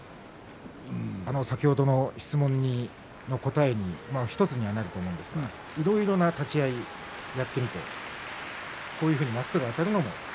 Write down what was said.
先ほどの質問の答えの１つにはなると思うんですがいろいろな立ち合いをやってみてこういうふうにまっすぐあたるのも。